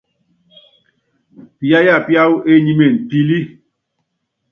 Piyááya píáwɔ enyímen pilí.